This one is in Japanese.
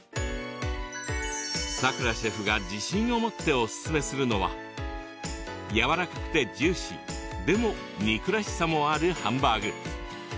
さくらシェフが自信を持っておすすめするのはやわらかくてジューシーでも肉らしさもあるハンバーグ。